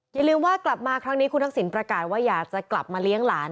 อย่าลืมว่ากลับมาครั้งนี้คุณทักษิณประกาศว่าอยากจะกลับมาเลี้ยงหลาน